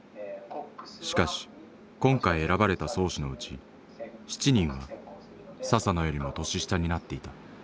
しかし今回選ばれた漕手のうち７人は佐々野よりも年下になっていた。